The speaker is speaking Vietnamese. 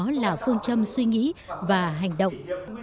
cũng là phương châm suy nghĩ và hành động